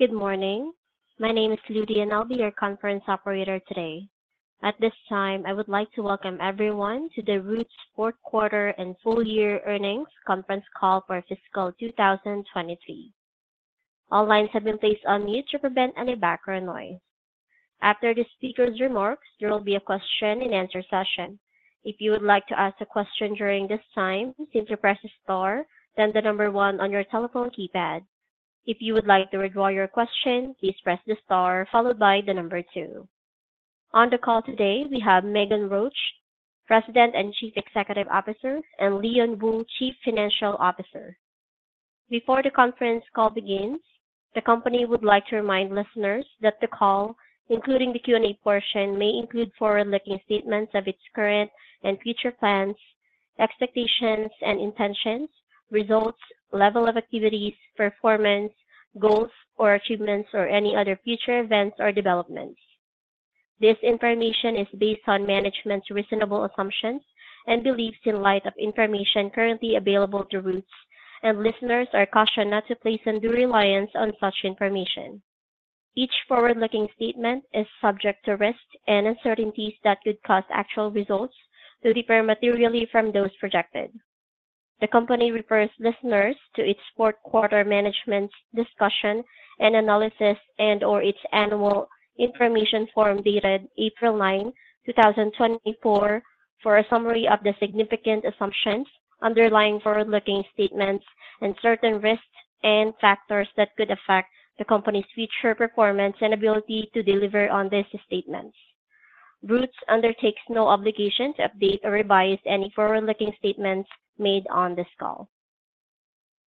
Good morning. My name is Ludy, and I'll be your conference operator today. At this time, I would like to welcome everyone to the Roots Fourth Quarter and Full Year earnings conference call for Fiscal 2023. All lines have been placed on mute to prevent any background noise. After the speaker's remarks, there will be a question and answer session. If you would like to ask a question during this time, please press star, then the number one on your telephone keypad. If you would like to withdraw your question, please press the star followed by the number two. On the call today, we have Meghan Roach, President and Chief Executive Officer, and Leon Wu, Chief Financial Officer. Before the conference call begins, the company would like to remind listeners that the call, including the Q&A portion, may include forward-looking statements of its current and future plans, expectations and intentions, results, level of activities, performance, goals or achievements, or any other future events or developments. This information is based on management's reasonable assumptions and beliefs in light of information currently available to Roots, and listeners are cautioned not to place undue reliance on such information. Each forward-looking statement is subject to risks and uncertainties that could cause actual results to differ materially from those projected. The company refers listeners to its fourth quarter management's discussion and analysis and/or its annual information form dated April 9, 2024, for a summary of the significant assumptions underlying forward-looking statements and certain risks and factors that could affect the company's future performance and ability to deliver on these statements. Roots undertakes no obligation to update or revise any forward-looking statements made on this call.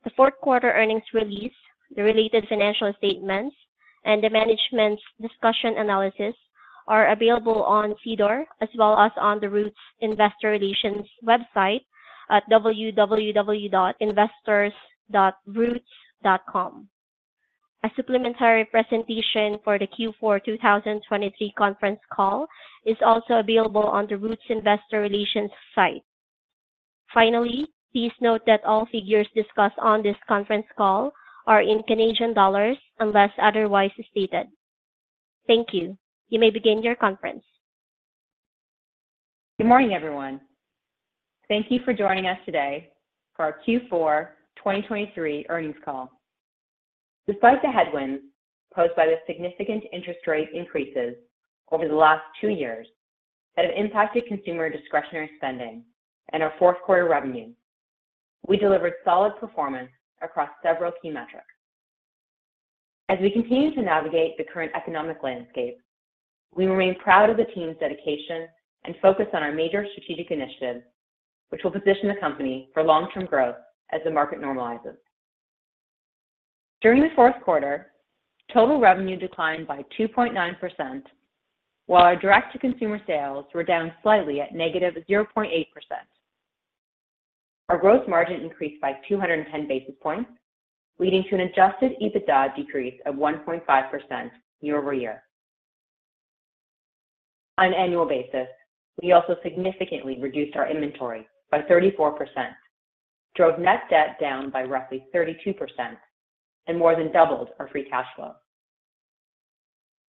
The fourth quarter earnings release, the related financial statements, and the management's discussion analysis are available on SEDAR as well as on the Roots Investor Relations website at www.investors.roots.com. A supplementary presentation for the Q4, 2023 conference call is also available on the Roots Investor Relations site. Finally, please note that all figures discussed on this conference call are in Canadian dollars, unless otherwise stated. Thank you. You may begin your conference. Good morning, everyone. Thank you for joining us today for our Q4 2023 earnings call. Despite the headwinds posed by the significant interest rate increases over the last two years that have impacted consumer discretionary spending and our fourth quarter revenue, we delivered solid performance across several key metrics. As we continue to navigate the current economic landscape, we remain proud of the team's dedication and focus on our major strategic initiatives, which will position the company for long-term growth as the market normalizes. During the fourth quarter, total revenue declined by 2.9%, while our direct-to-consumer sales were down slightly at -0.8%. Our gross margin increased by 210 basis points, leading to an Adjusted EBITDA decrease of 1.5% year-over-year. On an annual basis, we also significantly reduced our inventory by 34%, drove net debt down by roughly 32%, and more than doubled our free cash flow.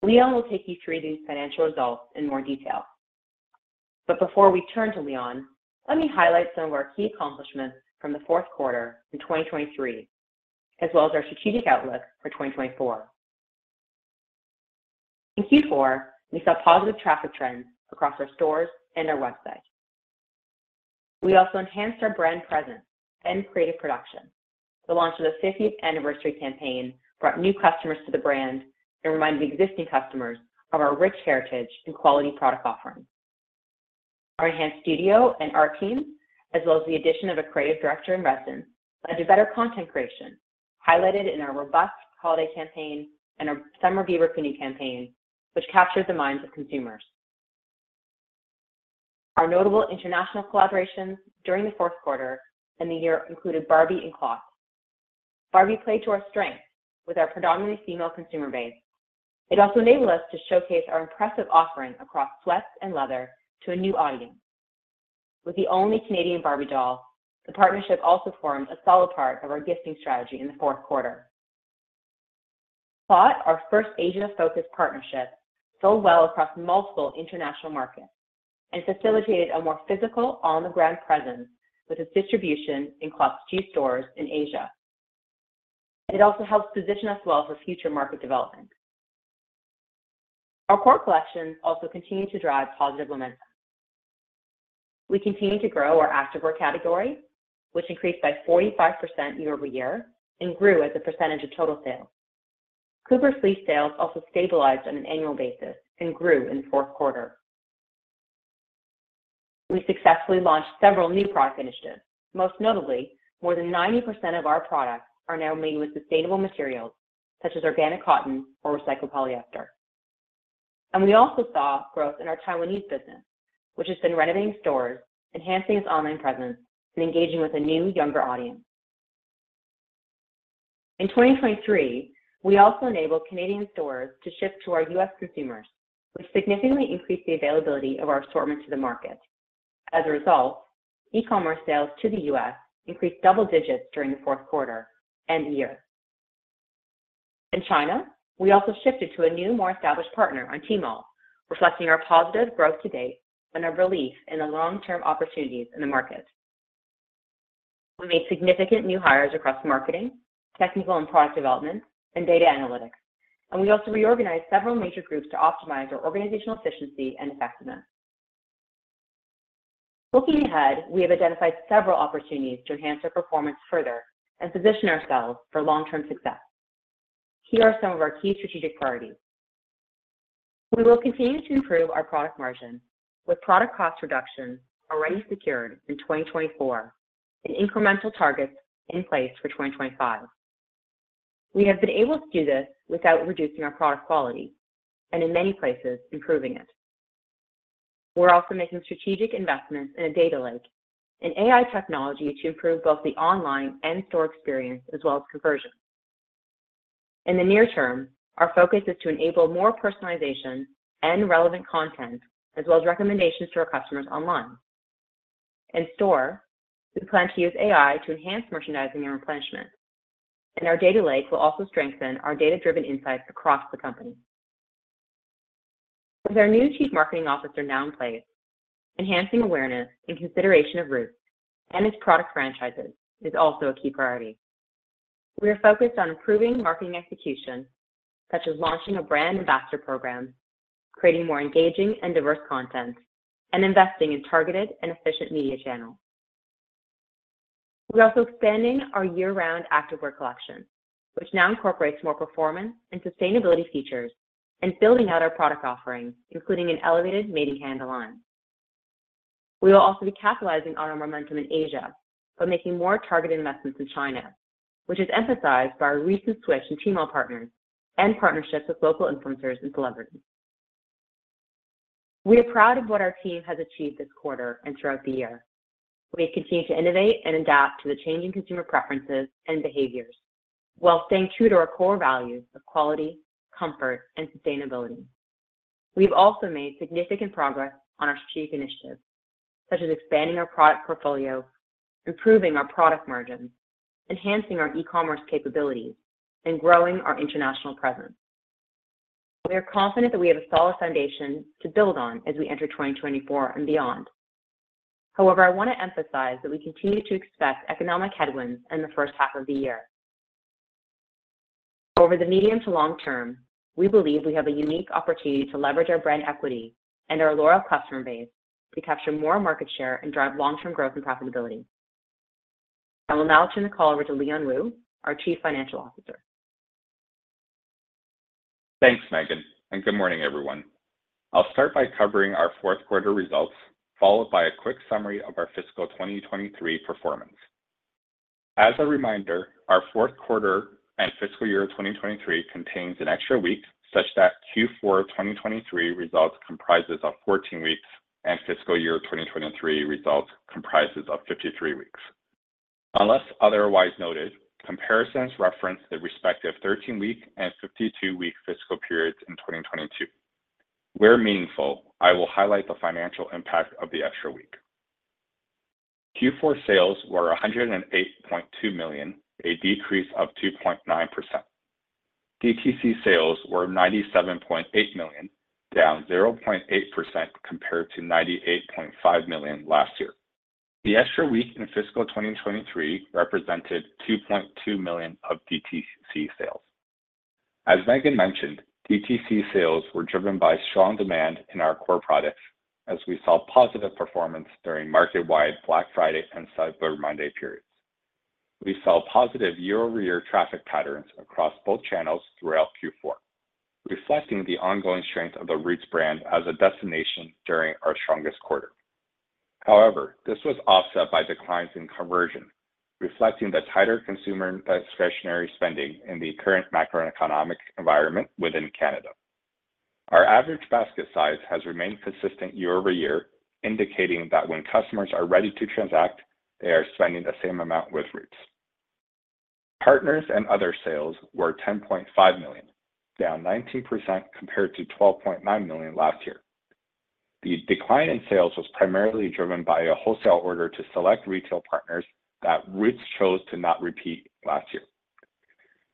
Leon will take you through these financial results in more detail. But before we turn to Leon, let me highlight some of our key accomplishments from the fourth quarter in 2023, as well as our strategic outlook for 2024. In Q4, we saw positive traffic trends across our stores and our website. We also enhanced our brand presence and creative production. The launch of the 50th anniversary campaign brought new customers to the brand and reminded existing customers of our rich heritage and quality product offerings. Our enhanced studio and art team, as well as the addition of a creative director in residence, led to better content creation, highlighted in our robust holiday campaign and our summer beaver Canoe campaign, which captured the minds of consumers. Our notable international collaborations during the fourth quarter and the year included Barbie and CLOT. Barbie played to our strength with our predominantly female consumer base. It also enabled us to showcase our impressive offering across sweats and leather to a new audience. With the only Canadian Barbie doll, the partnership also formed a solid part of our gifting strategy in the fourth quarter. CLOT, our first Asian-focused partnership, sold well across multiple international markets and facilitated a more physical on-the-ground presence with its distribution in CLOT's two stores in Asia. It also helps position us well for future market development. Our core collections also continue to drive positive momentum. We continue to grow our activewear category, which increased by 45% year-over-year and grew as a percentage of total sales. Cooper Fleece sales also stabilized on an annual basis and grew in the fourth quarter. We successfully launched several new product initiatives. Most notably, more than 90% of our products are now made with sustainable materials such as organic cotton or recycled polyester. We also saw growth in our Taiwanese business, which has been renovating stores, enhancing its online presence, and engaging with a new, younger audience. In 2023, we also enabled Canadian stores to ship to our U.S. consumers, which significantly increased the availability of our assortment to the market. As a result, e-commerce sales to the U.S. increased double digits during the fourth quarter and year. In China, we also shifted to a new, more established partner on Tmall, reflecting our positive growth to date and our belief in the long-term opportunities in the market. We made significant new hires across marketing, technical and product development, and data analytics, and we also reorganized several major groups to optimize our organizational efficiency and effectiveness. Looking ahead, we have identified several opportunities to enhance our performance further and position ourselves for long-term success. Here are some of our key strategic priorities. We will continue to improve our product margin, with product cost reductions already secured in 2024 and incremental targets in place for 2025. We have been able to do this without reducing our product quality and, in many places, improving it. We're also making strategic investments in a data lake and AI technology to improve both the online and store experience, as well as conversion. In the near term, our focus is to enable more personalization and relevant content, as well as recommendations to our customers online. In store, we plan to use AI to enhance merchandising and replenishment, and our data lake will also strengthen our data-driven insights across the company. With our new Chief Marketing Officer now in place, enhancing awareness and consideration of Roots and its product franchises is also a key priority. We are focused on improving marketing execution, such as launching a brand ambassador program, creating more engaging and diverse content, and investing in targeted and efficient media channels. We're also expanding our year-round activewear collection, which now incorporates more performance and sustainability features, and building out our product offerings, including an elevated Made in Canada line. We will also be capitalizing on our momentum in Asia by making more targeted investments in China, which is emphasized by our recent switch in Tmall partners and partnerships with local influencers and celebrities. We are proud of what our team has achieved this quarter and throughout the year. We have continued to innovate and adapt to the changing consumer preferences and behaviors while staying true to our core values of quality, comfort, and sustainability. We've also made significant progress on our strategic initiatives, such as expanding our product portfolio, improving our product margins, enhancing our e-commerce capabilities, and growing our international presence. We are confident that we have a solid foundation to build on as we enter 2024 and beyond. However, I want to emphasize that we continue to expect economic headwinds in the first half of the year. Over the medium to long term, we believe we have a unique opportunity to leverage our brand equity and our loyal customer base to capture more market share and drive long-term growth and profitability. I will now turn the call over to Leon Wu, our Chief Financial Officer. Thanks, Meghan, and good morning, everyone. I'll start by covering our fourth quarter results, followed by a quick summary of our fiscal 2023 performance. As a reminder, our fourth quarter and fiscal year of 2023 contains an extra week, such that Q4 2023 results comprises of 14 weeks, and fiscal year 2023 results comprises of 53 weeks. Unless otherwise noted, comparisons reference the respective 13-week and 52-week fiscal periods in 2022. Where meaningful, I will highlight the financial impact of the extra week. Q4 sales were 108.2 million, a decrease of 2.9%. DTC sales were 97.8 million, down 0.8% compared to 98.5 million last year. The extra week in fiscal 2023 represented 2.2 million of DTC sales. As Meghan mentioned, DTC sales were driven by strong demand in our core products as we saw positive performance during market-wide Black Friday and Cyber Monday periods. We saw positive year-over-year traffic patterns across both channels throughout Q4, reflecting the ongoing strength of the Roots brand as a destination during our strongest quarter. However, this was offset by declines in conversion, reflecting the tighter consumer discretionary spending in the current macroeconomic environment within Canada. Our average basket size has remained consistent year-over-year, indicating that when customers are ready to transact, they are spending the same amount with Roots. Partners and other sales were 10.5 million, down 19% compared to 12.9 million last year. The decline in sales was primarily driven by a wholesale order to select retail partners that Roots chose to not repeat last year.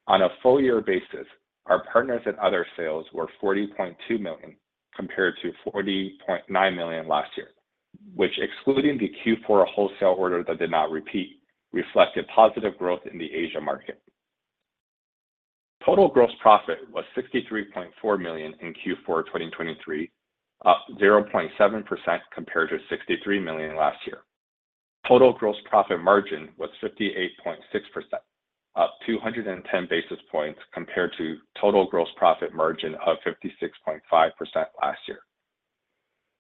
On a full year basis, our partners and other sales were 40.2 million compared to 40.9 million last year, which, excluding the Q4 wholesale order that did not repeat, reflected positive growth in the Asia market. Total gross profit was 63.4 million in Q4 2023, up 0.7% compared to 63 million last year. Total gross profit margin was 58.6%, up 210 basis points compared to total gross profit margin of 56.5% last year.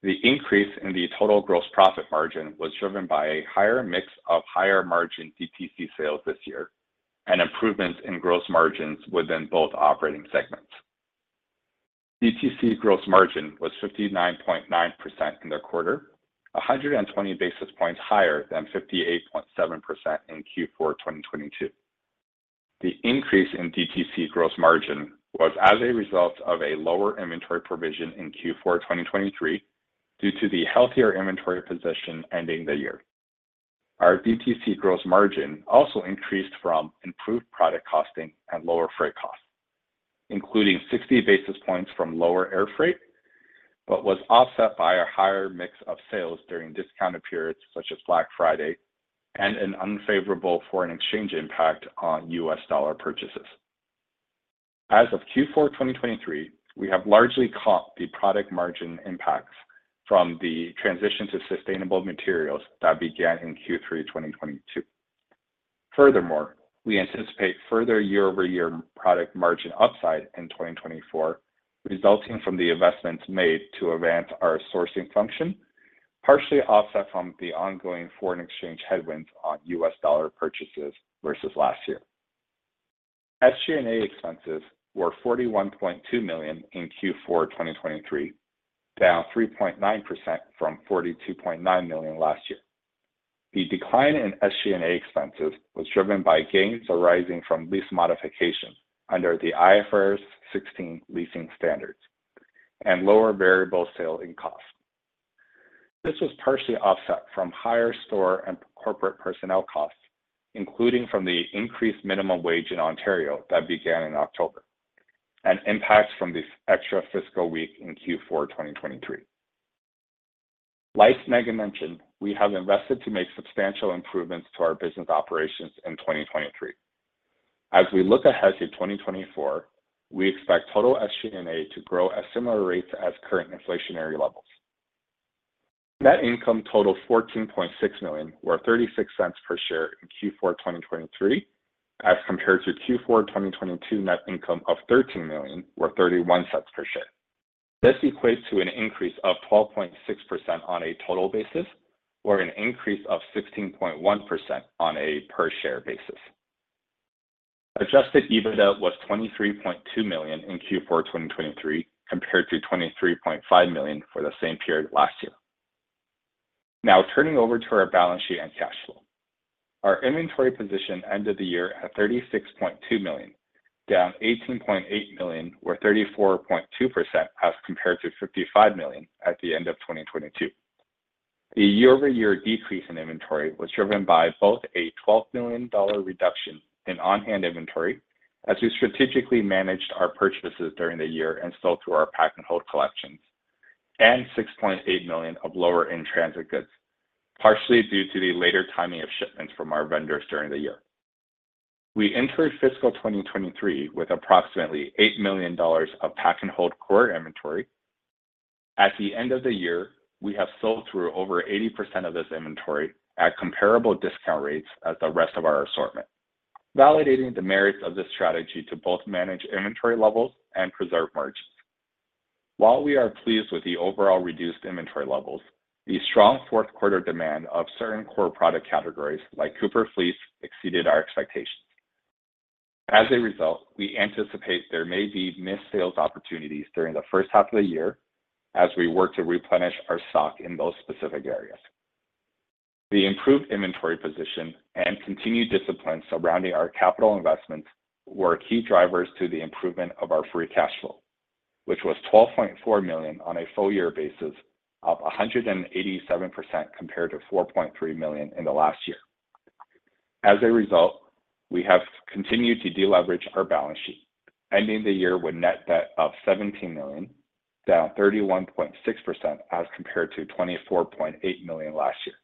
The increase in the total gross profit margin was driven by a higher mix of higher-margin DTC sales this year and improvements in gross margins within both operating segments. DTC gross margin was 59.9% in the quarter, 120 basis points higher than 58.7% in Q4 2022. The increase in DTC gross margin was as a result of a lower inventory provision in Q4 2023, due to the healthier inventory position ending the year. Our DTC gross margin also increased from improved product costing and lower freight costs, including 60 basis points from lower air freight, but was offset by a higher mix of sales during discounted periods such as Black Friday, and an unfavorable foreign exchange impact on US dollar purchases. As of Q4 2023, we have largely caught the product margin impacts from the transition to sustainable materials that began in Q3 2022. Furthermore, we anticipate further year-over-year product margin upside in 2024, resulting from the investments made to advance our sourcing function, partially offset from the ongoing foreign exchange headwinds on US dollar purchases versus last year. SG&A expenses were 41.2 million in Q4 2023, down 3.9% from 42.9 million last year. The decline in SG&A expenses was driven by gains arising from lease modifications under the IFRS 16 leasing standards and lower variable selling costs. This was partially offset from higher store and corporate personnel costs, including from the increased minimum wage in Ontario that began in October, and impacts from the extra fiscal week in Q4 2023. Like Meghan mentioned, we have invested to make substantial improvements to our business operations in 2023. As we look ahead to 2024, we expect total SG&A to grow at similar rates as current inflationary levels. Net income totaled 14.6 million, or 0.36 per share in Q4 2023, as compared to Q4 2022 net income of CAD 13 million, or 0.31 per share. This equates to an increase of 12.6% on a total basis, or an increase of 16.1% on a per share basis. Adjusted EBITDA was 23.2 million in Q4 2023, compared to 23.5 million for the same period last year. Now, turning over to our balance sheet and cash flow. Our inventory position ended the year at 36.2 million, down 18.8 million, or 34.2%, as compared to 55 million at the end of 2022. The year-over-year decrease in inventory was driven by both a 12 million dollar reduction in on-hand inventory as we strategically managed our purchases during the year and sold through our pack-and-hold collections, and 6.8 million of lower in-transit goods, partially due to the later timing of shipments from our vendors during the year. We entered fiscal 2023 with approximately 8 million dollars of pack-and-hold core inventory. At the end of the year, we have sold through over 80% of this inventory at comparable discount rates as the rest of our assortment, validating the merits of this strategy to both manage inventory levels and preserve margins. While we are pleased with the overall reduced inventory levels, the strong fourth quarter demand of certain core product categories, like Cooper Fleece, exceeded our expectations. As a result, we anticipate there may be missed sales opportunities during the first half of the year as we work to replenish our stock in those specific areas. The improved inventory position and continued discipline surrounding our capital investments were key drivers to the improvement of our Free Cash Flow, which was 12.4 million on a full year basis, up 187% compared to 4.3 million in the last year. As a result, we have continued to deleverage our balance sheet, ending the year with Net Debt of 17 million, down 31.6% as compared to 24.8 million last year.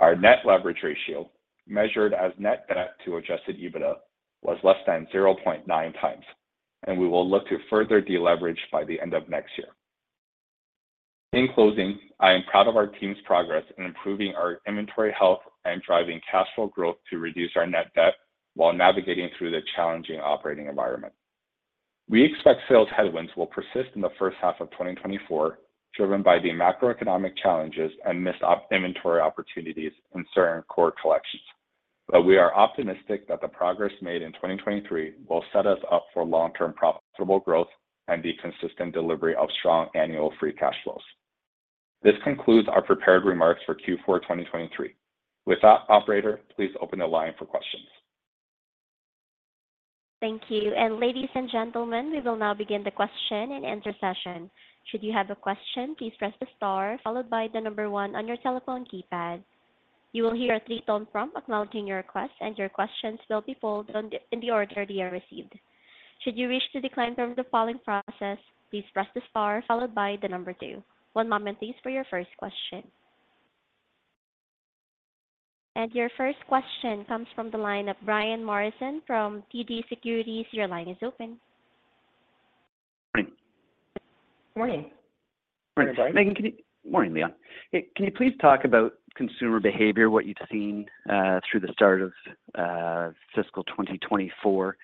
Our Net Leverage Ratio, measured as Net Debt to Adjusted EBITDA, was less than 0.9 times, and we will look to further deleverage by the end of next year. In closing, I am proud of our team's progress in improving our inventory health and driving cash flow growth to reduce our net debt while navigating through the challenging operating environment. We expect sales headwinds will persist in the first half of 2024, driven by the macroeconomic challenges and missed inventory opportunities in certain core collections. We are optimistic that the progress made in 2023 will set us up for long-term profitable growth and the consistent delivery of strong annual free cash flows. This concludes our prepared remarks for Q4 2023. With that, operator, please open the line for questions. Thank you. Ladies and gentlemen, we will now begin the question and answer session. Should you have a question, please press the star followed by the number one on your telephone keypad. You will hear a three-tone prompt acknowledging your request, and your questions will be pulled in the order they are received. Should you wish to decline from the following process, please press the star followed by the number two. One moment, please, for your first question. Your first question comes from the line of Brian Morrison from TD Securities. Your line is open. Morning. Morning. Morning, Meghan. Can you-- Morning, Leon. Hey, can you please talk about consumer behavior, what you've seen, through the start of fiscal 2024?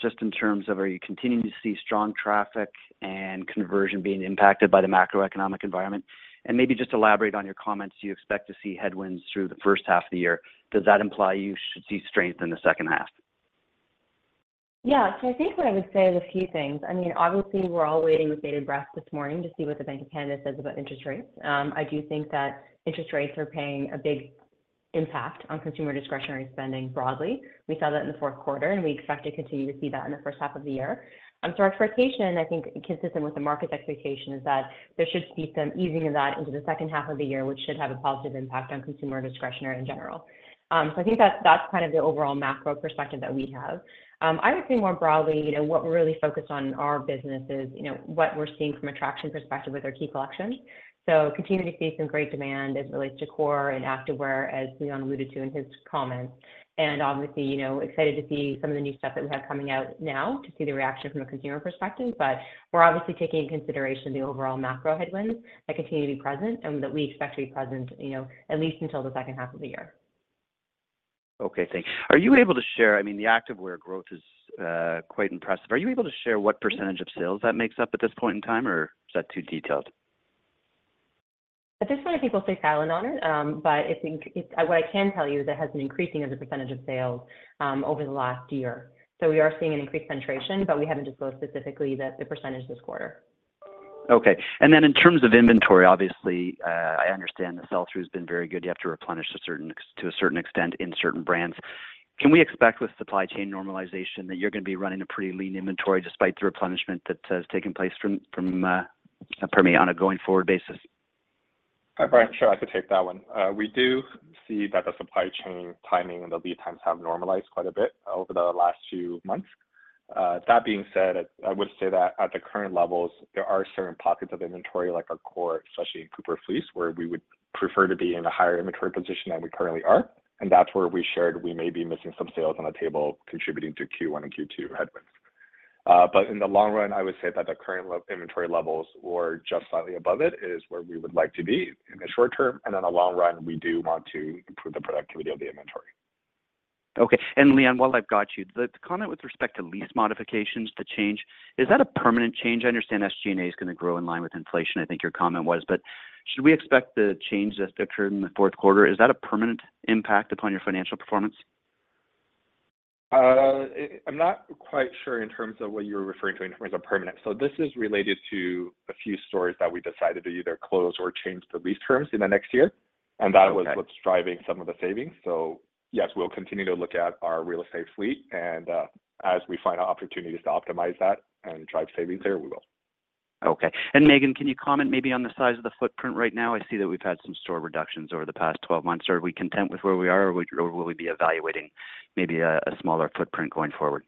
Just in terms of, are you continuing to see strong traffic and conversion being impacted by the macroeconomic environment? And maybe just elaborate on your comments. Do you expect to see headwinds through the first half of the year? Does that imply you should see strength in the second half?... Yeah, so I think what I would say is a few things. I mean, obviously, we're all waiting with bated breath this morning to see what the Bank of Canada says about interest rates. I do think that interest rates are having a big impact on consumer discretionary spending broadly. We saw that in the fourth quarter, and we expect to continue to see that in the first half of the year. So our expectation, I think, consistent with the market's expectation, is that there should be some easing of that into the second half of the year, which should have a positive impact on consumer discretionary in general. So I think that's, that's kind of the overall macro perspective that we have. I would say more broadly, you know, what we're really focused on in our business is, you know, what we're seeing from a traction perspective with our key collections. So continuing to see some great demand as it relates to core and activewear, as Leon alluded to in his comments, and obviously, you know, excited to see some of the new stuff that we have coming out now, to see the reaction from a consumer perspective. But we're obviously taking into consideration the overall macro headwinds that continue to be present and that we expect to be present, you know, at least until the second half of the year. Okay, thanks. Are you able to share... I mean, the activewear growth is quite impressive. Are you able to share what percentage of sales that makes up at this point in time, or is that too detailed? At this point, I think we'll stay silent on it. But I think what I can tell you, it has been increasing as a percentage of sales over the last year. So we are seeing an increased penetration, but we haven't disclosed specifically the percentage this quarter. Okay. And then in terms of inventory, obviously, I understand the sell-through has been very good. You have to replenish a certain extent in certain brands. Can we expect with supply chain normalization, that you're gonna be running a pretty lean inventory despite the replenishment that has taken place from, pardon me, on a going-forward basis? Hi, Brian. Sure, I could take that one. We do see that the supply chain timing and the lead times have normalized quite a bit over the last few months. That being said, I would say that at the current levels, there are certain pockets of inventory, like our core, especially in Cooper Fleece, where we would prefer to be in a higher inventory position than we currently are, and that's where we shared we may be missing some sales on the table contributing to Q1 and Q2 headwinds. But in the long run, I would say that the current inventory levels or just slightly above it, is where we would like to be in the short term, and in the long run, we do want to improve the productivity of the inventory. Okay. And Leon, while I've got you, the comment with respect to lease modifications to change, is that a permanent change? I understand SG&A is gonna grow in line with inflation, I think your comment was. But should we expect the change that's pictured in the fourth quarter? Is that a permanent impact upon your financial performance? I'm not quite sure in terms of what you're referring to in terms of permanent. So this is related to a few stores that we decided to either close or change the lease terms in the next year- Okay. and that was what's driving some of the savings. So yes, we'll continue to look at our real estate fleet, and as we find opportunities to optimize that and drive savings there, we will. Okay. And Meghan, can you comment maybe on the size of the footprint right now? I see that we've had some store reductions over the past 12 months. Are we content with where we are, or would, will we be evaluating maybe a, a smaller footprint going forward?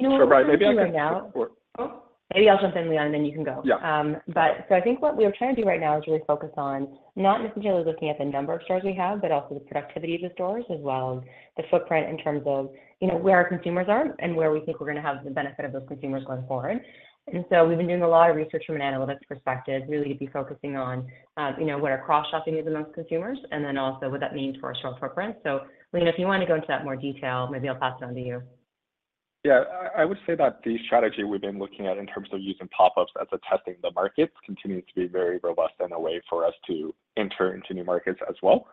Sure, Brian, maybe I can- Maybe I'll jump in, Leon, and then you can go. Yeah. But so I think what we are trying to do right now is really focus on not necessarily looking at the number of stores we have, but also the productivity of the stores, as well as the footprint in terms of, you know, where our consumers are and where we think we're gonna have the benefit of those consumers going forward. And so we've been doing a lot of research from an analytics perspective, really to be focusing on, you know, what our cross-shopping is amongst consumers, and then also what that means for our store footprint. So Leon, if you want to go into that in more detail, maybe I'll pass it on to you. Yeah. I would say that the strategy we've been looking at in terms of using pop-ups as a testing the markets, continues to be very robust and a way for us to enter into new markets as well.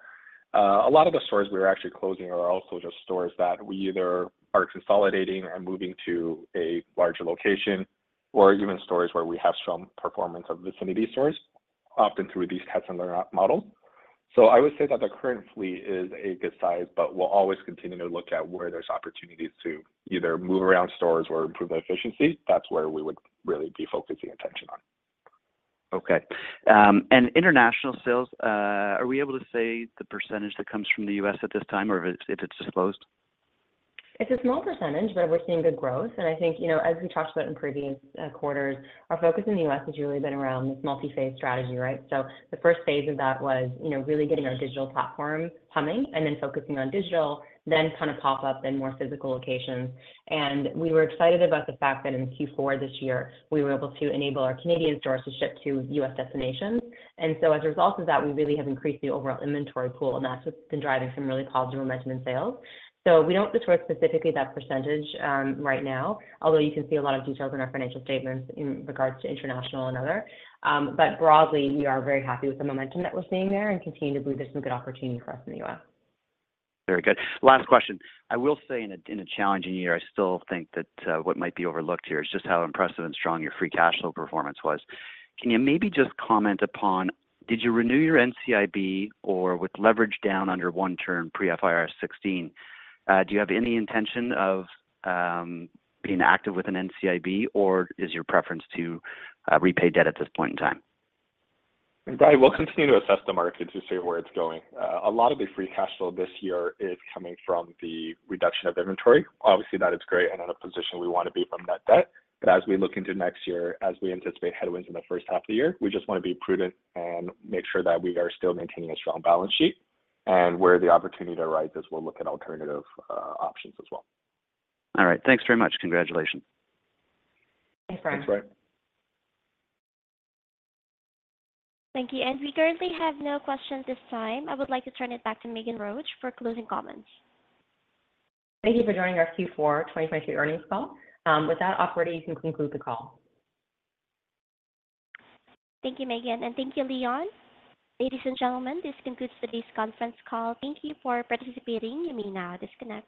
A lot of the stores we're actually closing are also just stores that we either are consolidating and moving to a larger location or even stores where we have strong performance of the vicinity stores, often through these similar models. So I would say that the current fleet is a good size, but we'll always continue to look at where there's opportunities to either move around stores or improve the efficiency. That's where we would really be focusing attention on. Okay. International sales, are we able to say the percentage that comes from the U.S. at this time, or if it's disclosed? It's a small percentage, but we're seeing good growth, and I think, you know, as we talked about in previous quarters, our focus in the U.S. has really been around this multi-phase strategy, right? So the first phase of that was, you know, really getting our digital platform humming and then focusing on digital, then kind of pop up in more physical locations. And we were excited about the fact that in Q4 this year, we were able to enable our Canadian stores to ship to U.S. destinations. And so as a result of that, we really have increased the overall inventory pool, and that's what's been driving some really positive momentum in sales. So we don't disclose specifically that percentage, right now, although you can see a lot of details in our financial statements in regards to international and other. But broadly, we are very happy with the momentum that we're seeing there and continue to believe there's some good opportunity for us in the U.S. Very good. Last question: I will say in a challenging year, I still think that what might be overlooked here is just how impressive and strong your free cash flow performance was. Can you maybe just comment upon, did you renew your NCIB or with leverage down under one times pre-IFRS 16, do you have any intention of being active with an NCIB or is your preference to repay debt at this point in time? Brian, we'll continue to assess the market to see where it's going. A lot of the free cash flow this year is coming from the reduction of inventory. Obviously, that is great and in a position we want to be from net debt. But as we look into next year, as we anticipate headwinds in the first half of the year, we just want to be prudent and make sure that we are still maintaining a strong balance sheet, and where the opportunity arises, we'll look at alternative options as well. All right. Thanks very much. Congratulations. Thanks, Brian. Thanks, Brian. Thank you, and we currently have no questions at this time. I would like to turn it back to Meghan Roach for closing comments. Thank you for joining our Q4 2023 earnings call. With that, operator, you can conclude the call. Thank you, Meghan, and thank you, Leon. Ladies and gentlemen, this concludes today's conference call. Thank you for participating. You may now disconnect.